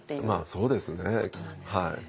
まあそうですね。